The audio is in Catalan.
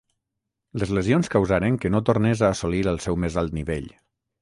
Les lesions causaren que no tornés a assolir el seu més alt nivell.